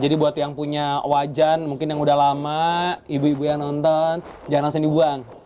jadi buat yang punya wajan mungkin yang udah lama ibu ibu yang nonton jangan langsung dibuang